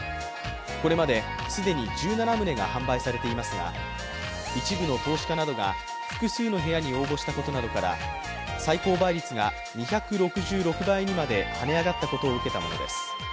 これまで、既に１７棟が販売されていますが一部の投資家などが複数の部屋に応募したことなどから最高倍率が２６６倍にまではね上がったものを受けたものです。